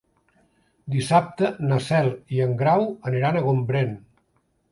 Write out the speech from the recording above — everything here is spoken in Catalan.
Dissabte na Cel i en Grau aniran a Gombrèn.